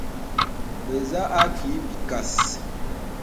Bə zə àkì bìkəs.